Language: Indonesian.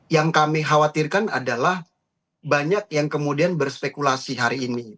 yang kami khawatirkan adalah banyak yang kemudian berspekulasi hari ini